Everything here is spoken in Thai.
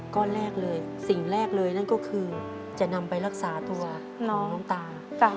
ก้อนแรกเลยสิ่งแรกเลยนั่นก็คือจะนำไปรักษาตัวน้องตา